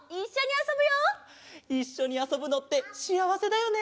いっしょにあそぶのってしあわせだよね！